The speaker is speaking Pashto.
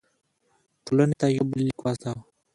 ټولنې ته یو بل لیک واستاوه.